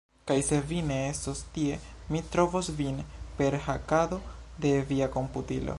Kaj se vi ne estos tie mi trovos vin per hakado de via komputilo